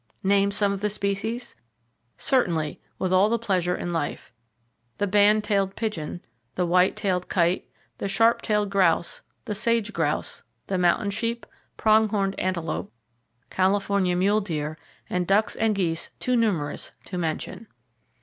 Name some of the species? Certainly; with all the pleasure in life: The band tailed pigeon, the white tailed kite, the sharp tailed grouse, the sage grouse, the mountain sheep, prong horned antelope, California mule deer, and ducks and geese too numerous to mention.